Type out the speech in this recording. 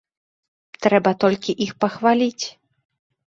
Трэба толькі іх пахваліць.